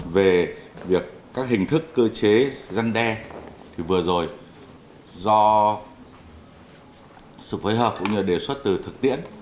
về việc các hình thức cơ chế răn đe vừa rồi do sự phối hợp cũng như đề xuất từ thực tiễn